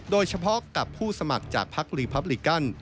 โดยเฉพาะกับผู้สมัครจากพักรีพับลิกัน